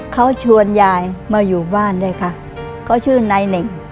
เขาชวนยายมาอยู่บ้านด้วยค่ะเขาชื่อนายเหน่ง